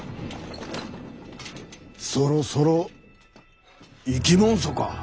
そろそろ行きもんそか。